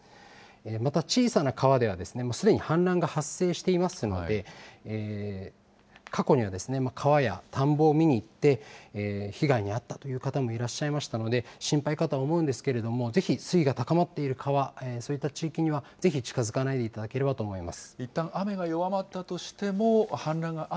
また、小さな川ではすでに氾濫が発生していますので、過去には、川や田んぼを見に行って、被害、あったという方もいらっしゃいましたので、心配かと思うんですけれども、ぜひ水位が高まっている川、そういった地域にはぜひ近づかないでいただきたいと思います。